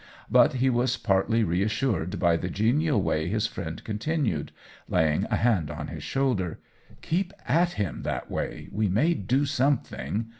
But he was partly reassured by the genial way this friend continued, laying a hand on his shoulder :" Keep at him that way! we may do something.